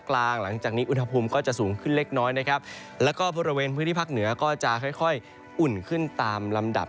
และและอากาศในภูเวณพื้นที่ภาคเหนือก็จะค่อยอุ่นขึ้นตามลำดับ